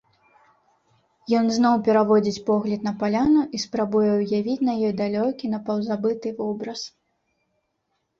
Ён зноў пераводзіць погляд на паляну і спрабуе ўявіць на ёй далёкі, напаўзабыты вобраз.